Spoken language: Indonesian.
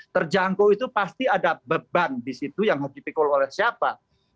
terjangkau itu pasti ada beban di situ yang harus dipikul oleh siapa